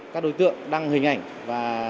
các đối tượng đăng hình ảnh và